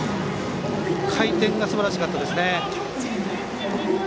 回転がすばらしかったですね。